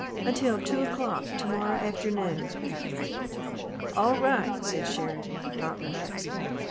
"Until two o'clock to morrow afternoon." "All right," said Sheridan, not relaxing.